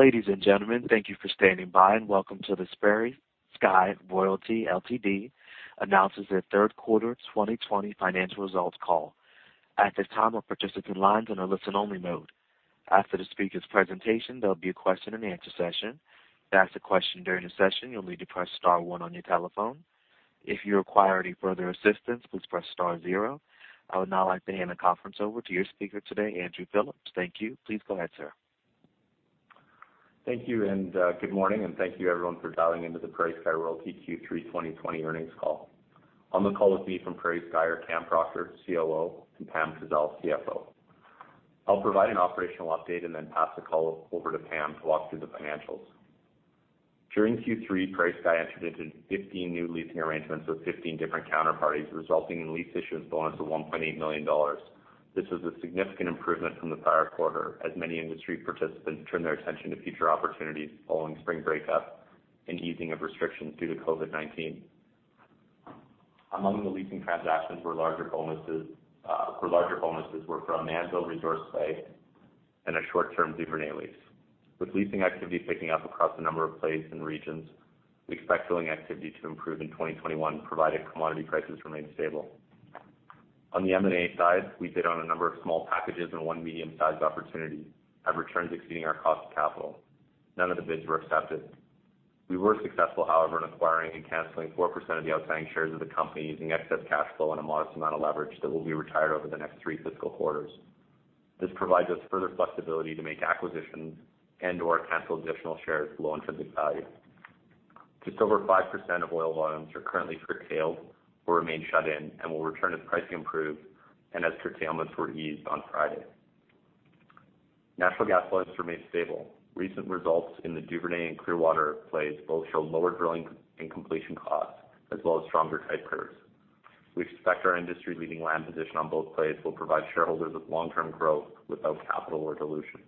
Ladies and gentlemen, thank you for standing by, and welcome to the PrairieSky Royalty Ltd. Announces their Third Quarter 2020 Financial Results Call. At this time, all participant lines are in a listen-only mode. After the speaker's presentation, there'll be a question-and-answer session. To ask a question during the session, you'll need to press star one on your telephone. If you require any further assistance, please press star zero. I would now like to hand the conference over to your speaker today, Andrew Phillips. Thank you. Please go ahead, sir. Thank you, good morning, and thank you, everyone, for dialing into the PrairieSky Royalty Q3 2020 earnings call. On the call with me from PrairieSky are Cam Proctor, COO, and Pam Kazeil, CFO. I'll provide an operational update then pass the call over to Pam to walk through the financials. During Q3, PrairieSky entered into 15 new leasing arrangements with 15 different counterparties, resulting in lease issuance bonus of 1.8 million dollars. This was a significant improvement from the prior quarter, as many industry participants turned their attention to future opportunities following spring breakup and easing of restrictions due to COVID-19. Among the leasing transactions for larger bonuses were from Mannville resource Play and a short-term Duvernay lease. With leasing activity picking up across a number of plays and regions, we expect drilling activity to improve in 2021, provided commodity prices remain stable. On the M&A side, we bid on a number of small packages and one medium-sized opportunity, have returns exceeding our cost of capital. None of the bids were accepted. We were successful, however, in acquiring and canceling 4% of the outstanding shares of the company using excess cash flow and a modest amount of leverage that will be retired over the next three fiscal quarters. This provides us further flexibility to make acquisitions and/or cancel additional shares at low intrinsic value. Just over 5% of oil volumes are currently curtailed or remain shut in and will return as pricing improves and as curtailments were eased on Friday. Natural gas flows remain stable. Recent results in the Duvernay and Clearwater plays both show lower drilling and completion costs, as well as stronger type curves. We expect our industry-leading land position on both plays will provide shareholders with long-term growth without capital or dilution.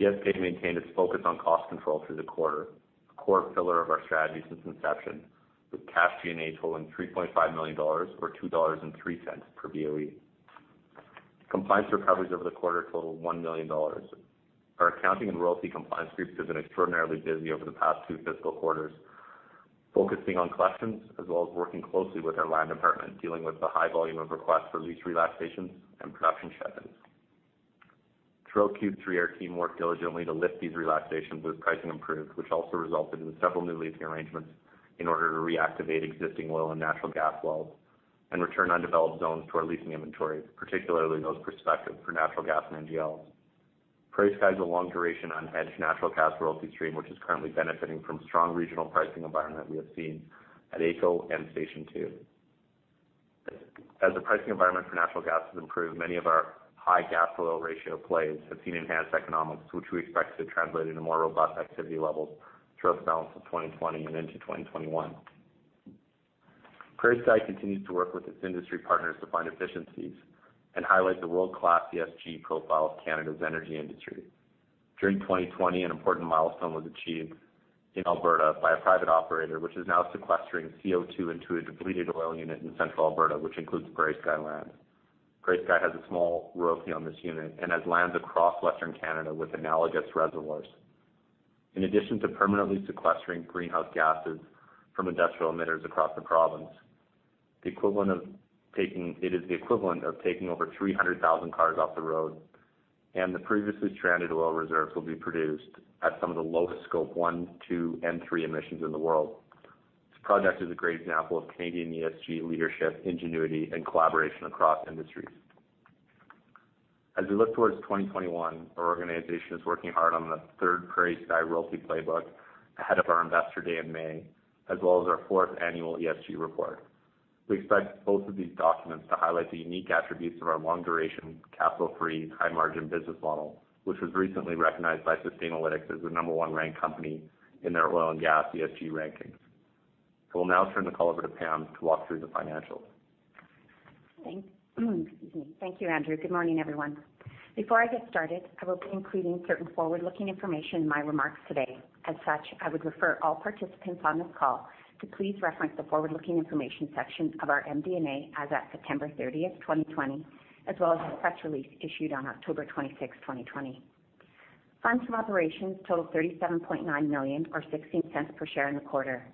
PSK maintained its focus on cost control through the quarter, a core pillar of our strategy since inception, with cash G&A totaling 3.5 million dollars, or 2.03 dollars per BOE. Compliance recoveries over the quarter totaled 1 million dollars. Our accounting and royalty compliance group has been extraordinarily busy over the past two fiscal quarters, focusing on collections as well as working closely with our land department, dealing with the high volume of requests for lease relaxations and production shut-ins. Throughout Q3, our team worked diligently to lift these relaxations as pricing improved, which also resulted in several new leasing arrangements in order to reactivate existing oil and natural gas wells and return undeveloped zones to our leasing inventory, particularly those prospective for natural gas and NGLs. PrairieSky has a long-duration unhedged natural gas royalty stream, which is currently benefiting from strong regional pricing environment we have seen at AECO and Station 2. As the pricing environment for natural gas has improved, many of our high gas-to-oil ratio plays have seen enhanced economics, which we expect to translate into more robust activity levels throughout the balance of 2020 and into 2021. PrairieSky continues to work with its industry partners to find efficiencies and highlight the world-class ESG profile of Canada's energy industry. During 2020, an important milestone was achieved in Alberta by a private operator, which is now sequestering CO2 into a depleted oil unit in central Alberta, which includes PrairieSky land. PrairieSky has a small royalty on this unit and has lands across Western Canada with analogous reservoirs. In addition to permanently sequestering greenhouse gases from industrial emitters across the province, it is the equivalent of taking over 300,000 cars off the road, the previously stranded oil reserves will be produced at some of the lowest scope one, two, and three emissions in the world. This project is a great example of Canadian ESG leadership, ingenuity, and collaboration across industries. As we look towards 2021, our organization is working hard on the third PrairieSky Royalty Playbook ahead of our Investor Day in May, as well as our fourth annual ESG report. We expect both of these documents to highlight the unique attributes of our long-duration, capital-free, high-margin business model, which was recently recognized by Sustainalytics as the number one ranked company in their oil and gas ESG rankings. I will now turn the call over to Pam to walk through the financials. Thanks. Excuse me. Thank you, Andrew. Good morning, everyone. Before I get started, I will be including certain forward-looking information in my remarks today. I would refer all participants on this call to please reference the forward-looking information section of our MD&A as at September 30th, 2020, as well as the press release issued on October 26th, 2020. Funds from operations totaled 37.9 million, or 0.16 per share in the quarter,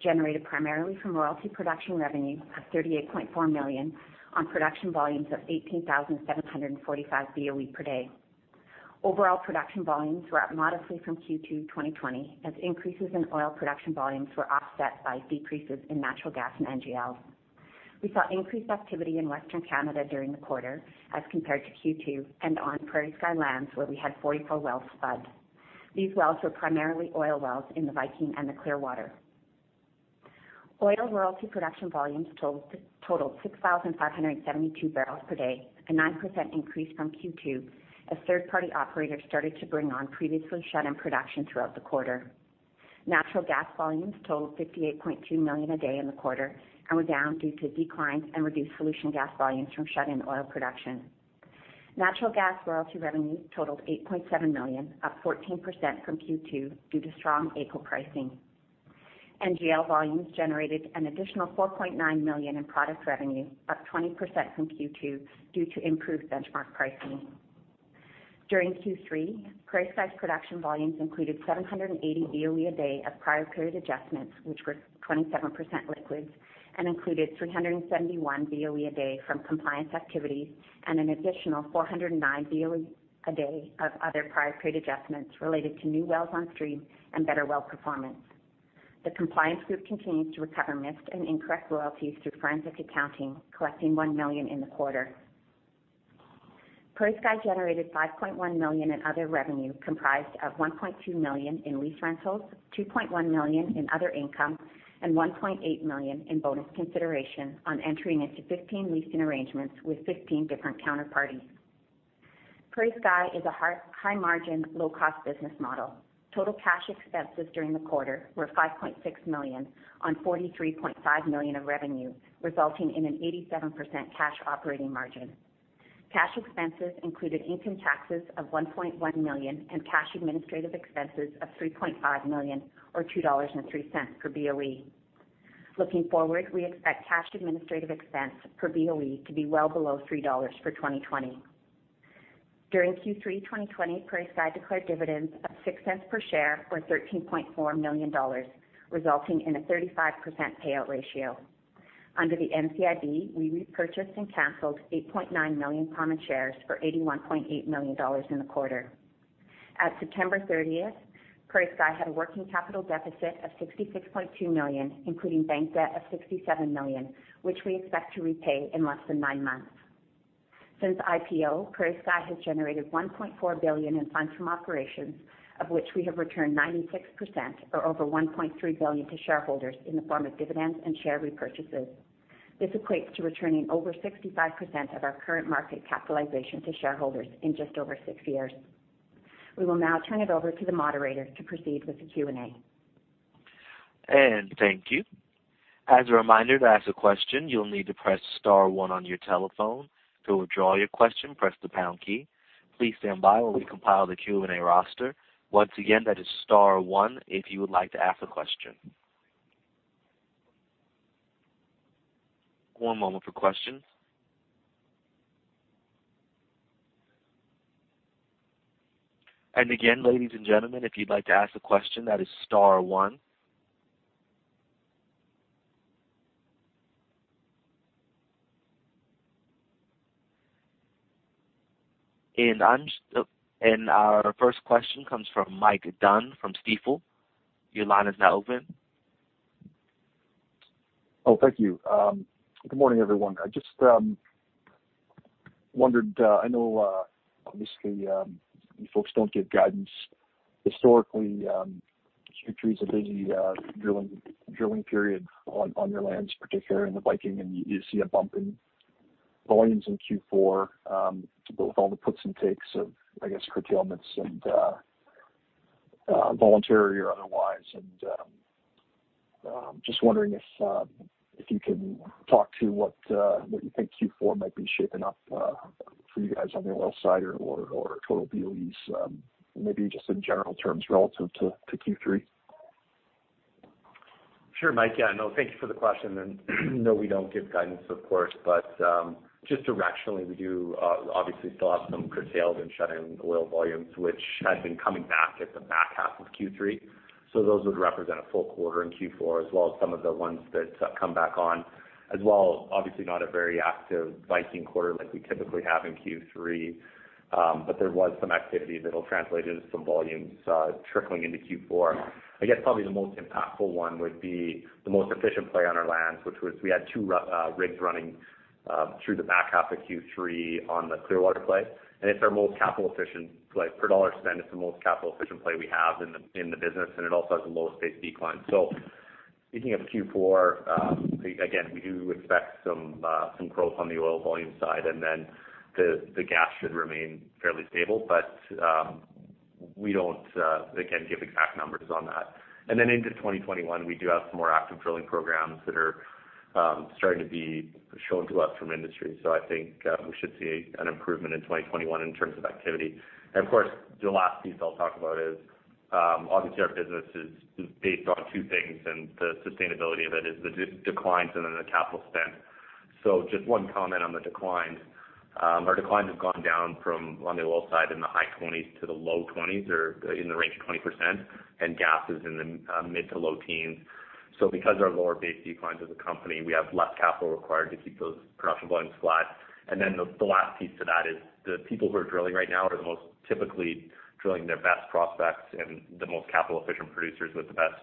generated primarily from royalty production revenue of 38.4 million on production volumes of 18,745 BOE per day. Overall production volumes were up modestly from Q2 2020, as increases in oil production volumes were offset by decreases in natural gas and NGLs. We saw increased activity in Western Canada during the quarter as compared to Q2 and on PrairieSky lands, where we had 44 wells spud. These wells were primarily oil wells in the Viking and the Clearwater. Oil royalty production volumes totaled 6,572 barrels per day, a 9% increase from Q2, as third-party operators started to bring on previously shut-in production throughout the quarter. Natural gas volumes totaled 58.2 million a day in the quarter and were down due to declines and reduced solution gas volumes from shut-in oil production. Natural gas royalty revenue totaled 8.7 million, up 14% from Q2 due to strong AECO pricing. NGL volumes generated an additional 4.9 million in product revenue, up 20% from Q2 due to improved benchmark pricing. During Q3, PrairieSky's production volumes included 780 BOE a day of prior period adjustments, which were 27% liquids, and included 371 BOE a day from compliance activities and an additional 409 BOE a day of other prior period adjustments related to new wells on stream and better well performance. The compliance group continues to recover missed and incorrect royalties through forensic accounting, collecting 1 million in the quarter. PrairieSky generated 5.1 million in other revenue, comprised of 1.2 million in lease rentals, 2.1 million in other income, and 1.8 million in bonus consideration on entering into 15 leasing arrangements with 15 different counterparties. PrairieSky is a high margin, low cost business model. Total cash expenses during the quarter were 5.6 million on 43.5 million of revenue, resulting in an 87% cash operating margin. Cash expenses included income taxes of 1.1 million and cash administrative expenses of 3.5 million, or 2.03 dollars per BOE. Looking forward, we expect cash administrative expense per BOE to be well below 3 dollars for 2020. During Q3 2020, PrairieSky declared dividends of 0.06 per share, or 13.4 million dollars, resulting in a 35% payout ratio. Under the NCIB, we repurchased and canceled 8.9 million common shares for 81.8 million dollars in the quarter. At September 30th, PrairieSky had a working capital deficit of 66.2 million, including bank debt of 67 million, which we expect to repay in less than nine months. Since IPO, PrairieSky has generated 1.4 billion in funds from operations, of which we have returned 96%, or over 1.3 billion to shareholders in the form of dividends and share repurchases. This equates to returning over 65% of our current market capitalization to shareholders in just over six years. We will now turn it over to the moderator to proceed with the Q&A. Thank you. As a reminder, to ask a question, you'll need to press star one on your telephone. To withdraw your question, press the pound key. Please stand by while we compile the Q&A roster. Once again, that is star one if you would like to ask a question. One moment for questions. Again, ladies and gentlemen, if you'd like to ask a question, that is star one. Our first question comes from Mike Dunn from Stifel. Your line is now open. Thank you. Good morning, everyone. I just wondered, I know, obviously, you folks don't give guidance. Historically, Q3 is a busy drilling period on your lands, particularly in the Viking, and you see a bump in volumes in Q4, with all the puts and takes of curtailments and voluntary or otherwise. Just wondering if you can talk to what you think Q4 might be shaping up for you guys on the oil side or total BOE, maybe just in general terms relative to Q3. Sure, Mike. Yeah, no, thank you for the question. No, we don't give guidance of course, but just directionally we do obviously still have some curtails and shut-in oil volumes, which have been coming back at the back half of Q3. Those would represent a full quarter in Q4 as well as some of the ones that come back on. As well, obviously not a very active Viking quarter like we typically have in Q3. There was some activity that'll translate into some volumes trickling into Q4. I guess probably the most impactful one would be the most efficient play on our lands, which was we had two rigs running through the back half of Q3 on the Clearwater play, and it's our most capital efficient play- ...per dollar spent, it's the most capital efficient play we have in the business, and it also has the lowest base decline. Thinking of Q4, again, we do expect some growth on the oil volume side, and the gas should remain fairly stable. We don't, again, give exact numbers on that. Into 2021, we do have some more active drilling programs that are starting to be shown to us from industry. I think we should see an improvement in 2021 in terms of activity. Of course, the last piece I'll talk about is obviously our business is based on two things, and the sustainability of it is the declines and the capital spend. Just one comment on the declines. Our decline has gone down from, on the oil side, in the high 20s to the low 20s, or in the range of 20%, and gas is in the mid to low teens. Because our lower base declines as a company, we have less capital required to keep those production volumes flat. Then the last piece to that is the people who are drilling right now are the most typically drilling their best prospects and the most capital efficient producers with the best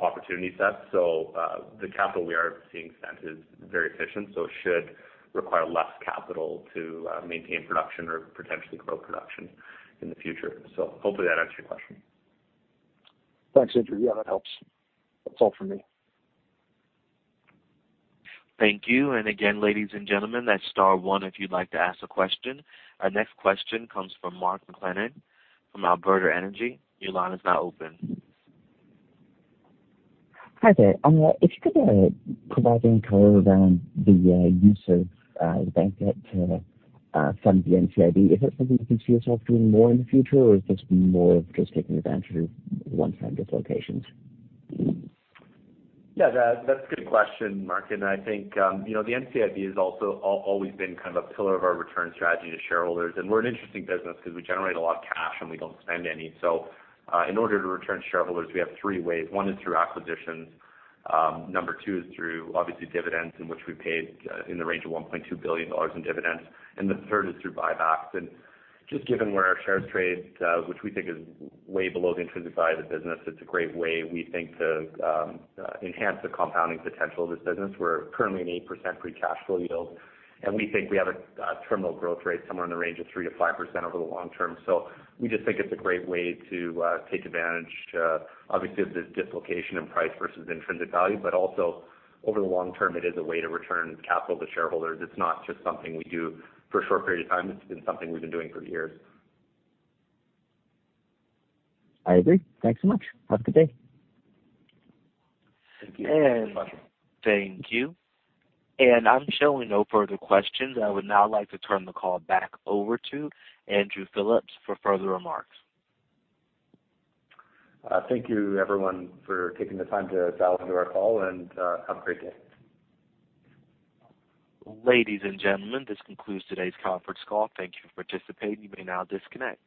opportunity set. The capital we are seeing spent is very efficient, so it should require less capital to maintain production or potentially grow production in the future. Hopefully that answers your question. Thanks, Andrew. Yeah, that helps. That's all for me. Thank you. Again, ladies and gentlemen, that's star one if you'd like to ask a question. Our next question comes from Mark McLennan from Alberta Energy. Your line is now open. Hi there. If you could provide any color around the use of the bank debt to fund the NCIB. Is that something you can see yourself doing more in the future, or is this more of just taking advantage of one-time dislocations? Yeah, that's a good question, Mark. I think the NCIB has also always been kind of a pillar of our return strategy to shareholders. We're an interesting business because we generate a lot of cash and we don't spend any. In order to return to shareholders, we have three ways. One is through acquisitions, number two is through obviously dividends, in which we paid in the range of 1.2 billion dollars in dividends, the third is through buybacks. Just given where our shares trade, which we think is way below the intrinsic value of the business, it's a great way, we think, to enhance the compounding potential of this business. We're currently at an 8% free cash flow yield, we think we have a terminal growth rate somewhere in the range of 3%-5% over the long term. We just think it's a great way to take advantage, obviously of the dislocation in price versus intrinsic value, but also over the long term, it is a way to return capital to shareholders. It's not just something we do for a short period of time. It's been something we've been doing for years. I agree. Thanks so much. Have a good day. Thank you. Thank you. I'm showing no further questions. I would now like to turn the call back over to Andrew Phillips for further remarks. Thank you everyone for taking the time to dial into our call, and have a great day. Ladies and gentlemen, this concludes today's conference call. Thank you for participating. You may now disconnect.